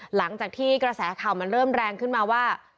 หลังจากที่กระแสข่าวมันเริ่มแรงขึ้นมาว่า